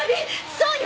・そうよ！